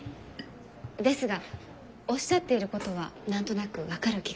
ですがおっしゃっていることは何となく分かる気がいたします。